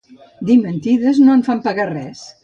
Dir mentides, no en fan pagar res.